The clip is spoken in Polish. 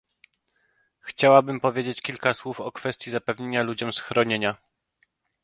Chciałabym powiedzieć kilka słów o kwestii zapewnienia ludziom schronienia